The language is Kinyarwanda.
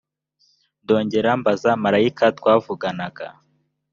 ndongera mbaza marayika twavuganaga